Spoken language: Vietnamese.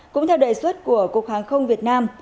cũng theo đề xuất của cục hàng không việt nam